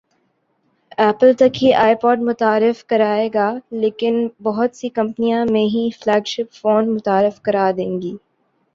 apple تک ہی iPod متعارف کرائے گا لیکن بہت سی کمپنیاں میں ہی فلیگ شپ فون متعارف کرا دیں گی